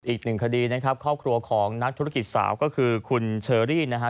อีกหนึ่งคดีนะครับครอบครัวของนักธุรกิจสาวก็คือคุณเชอรี่นะฮะ